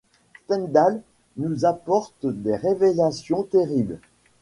Stendhal nous apporte des révélations terribles.